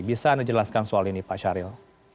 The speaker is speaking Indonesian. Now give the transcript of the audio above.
bisa anda jelaskan soal ini pak syahril